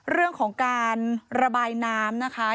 เรื่องของการระบายน้ำนะคะ